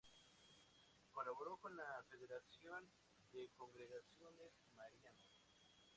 Colaboró con la Federación de Congregaciones Marianas.